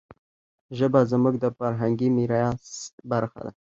ژبه زموږ د فرهنګي میراث برخه ده.